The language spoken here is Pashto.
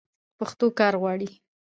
پښتو کار غواړي.